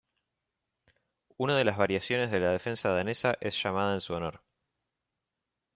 Una de las variaciones de la defensa danesa es llamada en su honor.